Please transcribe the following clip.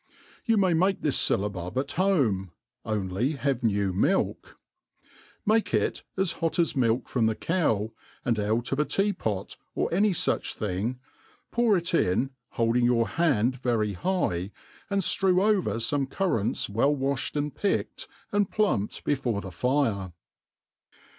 You may make this fyllabub at home, only have new^milk; make it as hot as milk from the cow, and out of a tea pot, or aifiy fuch thing, pour it in, holding your hand very high, and ftrew over fome currants well wa(hed and picked, and plumped . before the fire.